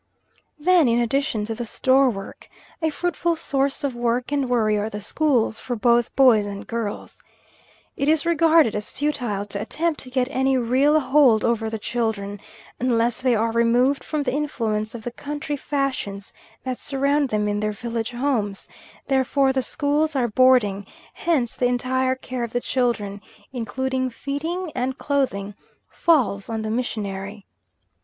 Then in addition to the store work, a fruitful source of work and worry are the schools, for both boys and girls. It is regarded as futile to attempt to get any real hold over the children unless they are removed from the influence of the country fashions that surround them in their village homes; therefore the schools are boarding; hence the entire care of the children, including feeding and clothing, falls on the missionary.